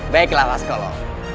baik lah waskolo